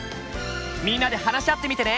みんなで話し合ってみてね！